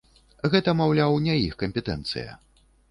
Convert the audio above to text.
Гэта, маўляў, не іх кампетэнцыя.